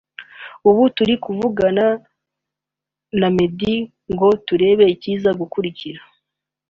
Ubu turi kugerageza kuvugana na Meddy ngo tumenya ikiza gukurikira